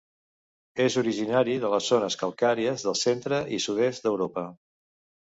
És originari de les zones calcàries del centre i sud-est d'Europa.